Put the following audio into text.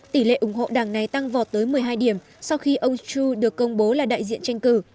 tỷ lệ ủng hộ đảng này tăng vọt tới một mươi hai điểm sau khi ông tru được công bố là đại diện tranh cử